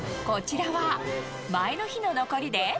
こちらは、前の日の残りで。